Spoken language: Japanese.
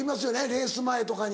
レース前とかに。